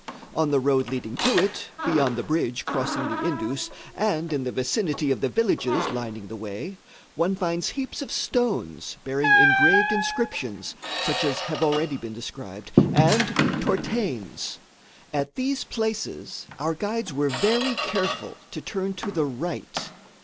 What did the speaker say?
On the road leading to it, beyond the bridge crossing the Indus, and in the vicinity of the villages lining the way, one finds heaps of stones bearing engraved inscriptions, such as have already been described, and t'horthenes. At these places, our guides were very careful to turn to the right.